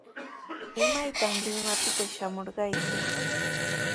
¿Imaytaq Limapita shamurqayki?